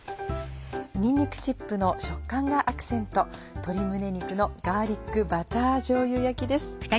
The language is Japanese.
にんにくチップの食感がアクセント「鶏胸肉のガーリックバターじょうゆ焼き」です。